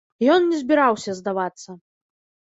Ён не збіраўся здавацца.